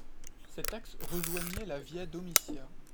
Cet axe rejoignait la via Domitia.